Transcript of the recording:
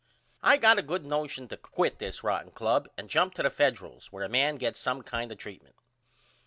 I got a good notion to quit this rotten club and jump to the Federals where a man gets some kind of treatment.